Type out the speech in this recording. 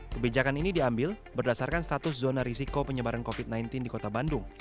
kebijakan ini diambil berdasarkan status zona risiko penyebaran covid sembilan belas di kota bandung